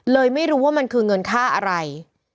ไม่รู้ว่ามันคือเงินค่าอะไร